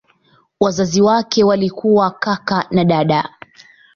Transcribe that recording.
Wazazi wake walikuwa kaka na dada.